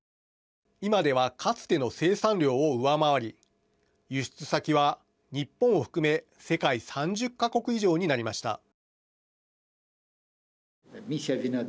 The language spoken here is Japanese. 今では、かつての生産量を上回り輸出先は日本を含め世界３０か国以上になりました。